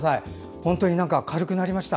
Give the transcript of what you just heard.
本当に何か軽くなりました。